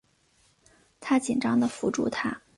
她紧张的扶住她